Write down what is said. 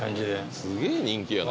スゲえ人気やな！